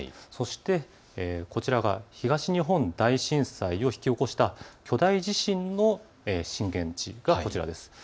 そしてこちらが東日本大震災を引き起こした巨大地震の震源地がこちらです。